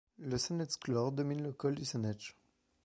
Le Sanetschhore domine le col du Sanetsch.